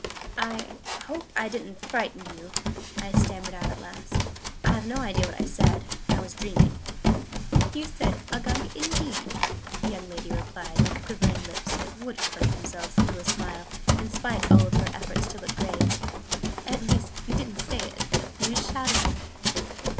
"I hope I didn't frighten you?" I stammered out at last. "I have no idea what I said. I was dreaming." "You said 'Uggug indeed!'" the young lady replied, with quivering lips that would curve themselves into a smile, in spite of all her efforts to look grave. "At least you didn't say it you shouted it!"